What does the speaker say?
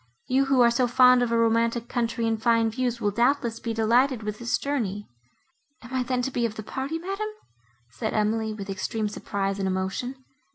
—You, who are so fond of a romantic country and fine views, will doubtless be delighted with this journey." "Am I then to be of the party, madam?" said Emily, with extreme surprise and emotion.